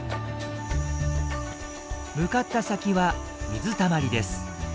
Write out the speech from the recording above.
向かった先は水たまりです。